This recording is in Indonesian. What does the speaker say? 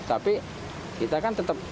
tapi kita kan tetap